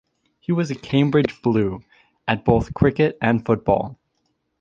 He was a Cambridge Blue at both cricket and football.